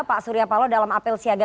pak surya palo dalam apel siaga